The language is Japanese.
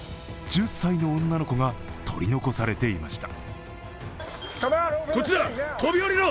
１０歳の女の子が取り残されていました。